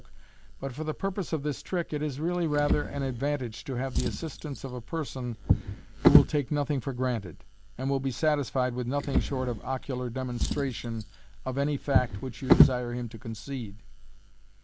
94 MODERN MAGK+ but for the purpose of this trick it is really rather an advantage to have the assistance of a person who will take nothing for granted, and will be satisfied with nothing short of ocular demonstration of any fact which you desire him to concede.